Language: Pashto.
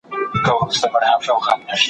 مسلکي کسان په اقتصادي چارو بوخت وو.